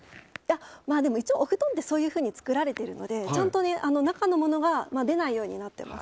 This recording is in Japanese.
一応お布団ってそういうふうに作られているのでちゃんと中のものが出ないようになっています。